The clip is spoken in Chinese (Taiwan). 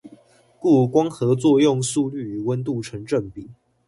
故光合作用速率與溫度成正比